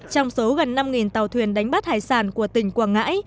trong số gần năm tàu thuyền đánh bắt hải sản của tỉnh quảng ngãi